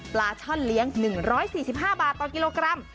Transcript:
ปลาช่อนเลี้ยง๑๔๕บาทต่อกิโลกรัม